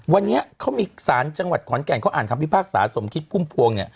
วันนี้เขามีสารจังหวัดขอนแก่นเขาอ่านคำพิพากษาสมคิดพุ่มพวงเนี่ย